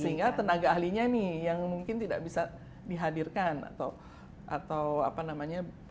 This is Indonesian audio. sehingga tenaga ahlinya nih yang mungkin tidak bisa dihadirkan atau apa namanya